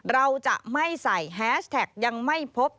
เราจะไม่ใส่แฮชแท็กยังไม่พบ